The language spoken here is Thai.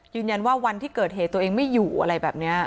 ยืนยันว่าวันที่เกิดเหตุตัวเองไม่อยู่อะไรแบบเนี่ย